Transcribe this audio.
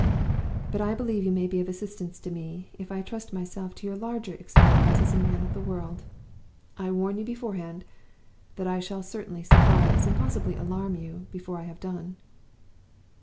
But I believe you may be of assistance to me, if I trust myself to your larger experience as a man of the world. I warn you beforehand that I shall certainly surprise, and possibly alarm, you before I have done.